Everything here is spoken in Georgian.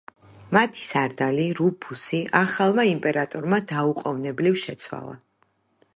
მათი სარდალი, რუფუსი, ახალმა იმპერატორმა დაუყოვნებლივ შეცვალა.